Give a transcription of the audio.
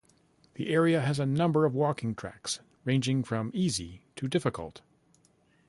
The area has a number of walking tracks ranging from easy to difficult.